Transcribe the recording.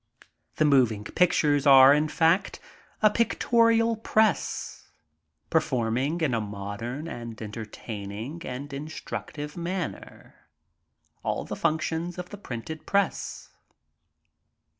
The moving pictures are, in fact, a pictorial press, performing in a modem and entertain ing and instructive manner, all the functions of the printed press.